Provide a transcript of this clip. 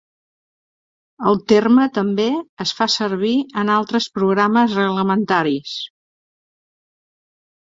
El terme també es fa servir en altres programes reglamentaris.